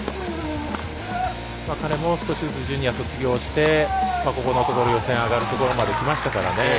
彼も少しずつジュニア卒業してここのところ予選上がるところまできましたからね。